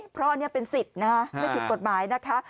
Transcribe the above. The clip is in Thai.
เพราะอันนี้เป็นสิทธิ์นะคะไม่ผิดกฎหมายนะคะ